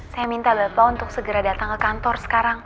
saya minta bapak untuk segera datang ke kantor sekarang